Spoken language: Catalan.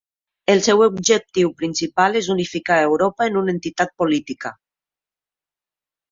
El seu objectiu principal és unificar Europa en una entitat política.